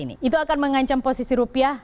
itu akan mengancam posisi rupiah